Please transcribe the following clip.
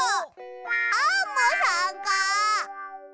アンモさんか。